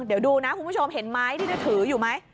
เดี๋ยวดูนะคุณผู้ชมเห็นไม้ที่จะถืออยู่ไหม